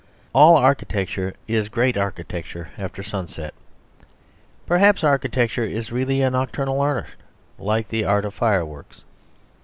All architecture is great architecture after sunset; perhaps architecture is really a nocturnal art, like the art of fireworks.